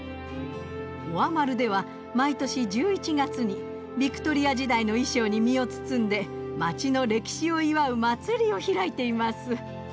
オアマルでは毎年１１月にビクトリア時代の衣装に身を包んで街の歴史を祝う祭りを開いています。